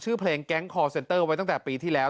ชื่อเพลงแก๊งคอร์เซ็นเตอร์ไว้ตั้งแต่ปีที่แล้ว